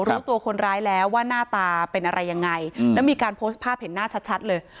รู้ตัวคนร้ายแล้วว่าหน้าตาเป็นอะไรยังไงแล้วมีการโพสต์ภาพเห็นหน้าชัดเลย